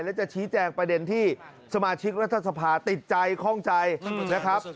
และจะชี้แจงประเด็นที่สมาชิกรัฐสภาติดใจคล่องใจนะครับ